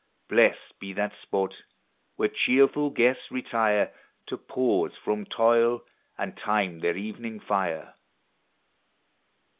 Blest be that spot, where cheerful guests retire To pause from toil, and time their evening lire!